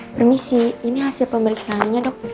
permisi ini hasil pemeriksaannya dok